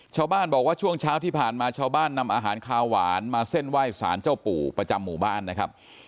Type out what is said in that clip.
ชาวบ้านบอกว่าช่วงเช้าที่ผ่านมาชาวบ้านนำอาหารคาวหวานมาเส้นไหว้สารเจ้าปู่ประจำหมู่บ้านนะครับ